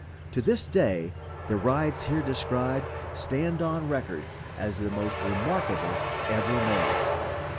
To this day the rides here described stand on record as the most remarkable ever made.